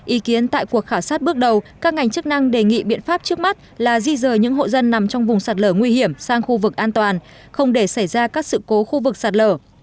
ý kiến tại cuộc khảo sát bước đầu các ngành chức năng đề nghị biện pháp trước mắt là di rời những hộ dân nằm trong vùng sạt lở nguy hiểm sang khu vực an toàn không để xảy ra các sự cố khu vực sạt lở